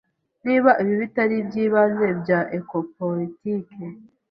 Niba ibi bitari ibyibanze bya ecopolitiki